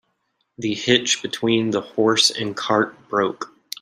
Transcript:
The hitch between the horse and cart broke.